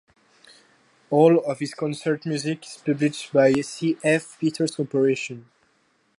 All of his concert music is published by C. F. Peters Corporation.